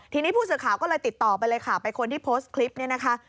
ทีนี้ผู้สื่อข่าวก็เลยติดต่อไปเลยค่ะไปคนที่โพสต์คลิปนี้นะคะ